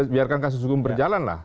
biarkan kasus hukum berjalan lah